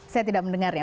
saya tidak mendengarnya